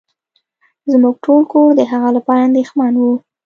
زمونږ ټول کور د هغه لپاره انديښمن وه.